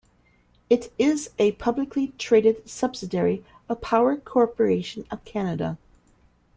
It is a publicly traded subsidiary of Power Corporation of Canada.